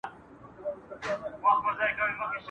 تر دوو سترګو یې بڅري غورځېدله !.